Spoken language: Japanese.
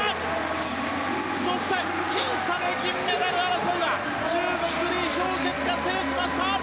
そして、きん差で銀メダル争いは中国、リ・ヒョウケツが制しました！